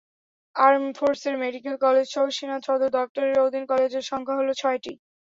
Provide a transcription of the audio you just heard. Arm forces medical কলেজসহ সেনা সদর দপ্তরের অধীন কলেজের সংখ্যা হলো ছয়টি।